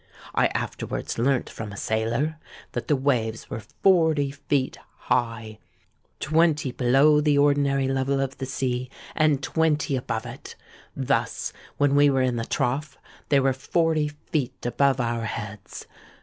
I afterwards learnt from a sailor, that the waves were forty feet high, twenty below the ordinary level of the sea, and twenty above it. Thus, when we were in the trough, they were forty feet above our heads!